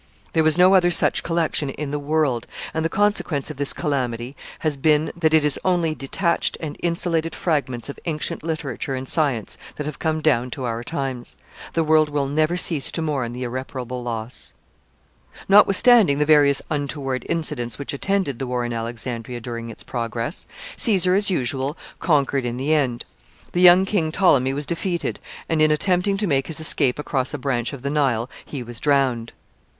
There was no other such collection in the world; and the consequence of this calamity has been, that it is only detached and insulated fragments of ancient literature and science that have come down to our times. The world will never cease to mourn the irreparable loss. [Sidenote: Caesar returns to Rome.] Notwithstanding the various untoward incidents which attended the war in Alexandria during its progress, Caesar, as usual, conquered in the end. The young king Ptolemy was defeated, and, in attempting to make his escape across a branch of the Nile, he was drowned.